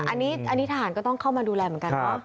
อันนี้ทหารก็ต้องเข้ามาดูแลเหมือนกันเนอะ